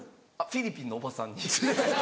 フィリピンのおばさんに。